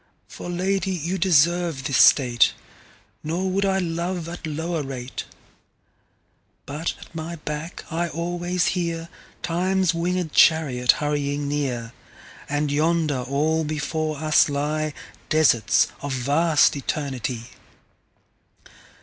For Lady you deserve this State; Nor would I love at lower rate. But at my back I alwaies hearTimes winged Charriot hurrying near:And yonder all before us lyeDesarts of vast Eternity.